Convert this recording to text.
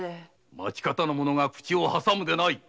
町方の者が口を挟むでない。